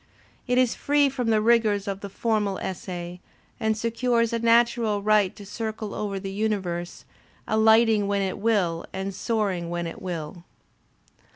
It is free from the rigours of the formal essay and secures a natural right to circle over the universe, alighting when it will and soaring when it will.